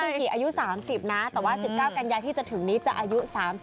ทรงจุงกิอายุ๓๐นะแต่ว่า๑๙กันยายที่จะถึงนี้จะอายุ๓๑